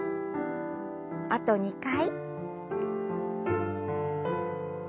あと２回。